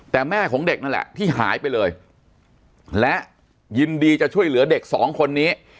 แต่แม่ของเด็กนั่นแหละที่หายไปเลยและยินดีจะช่วยเหลือเด็กสองคนนี้